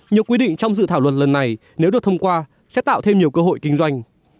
nhiều quy định trong dự thảo luật lần này nếu được thông qua sẽ tạo thêm nhiều cơ hội kinh doanh